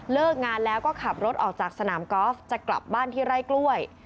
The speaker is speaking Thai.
งานแล้วก็ขับรถออกจากสนามกอล์ฟจะกลับบ้านที่ไร่กล้วย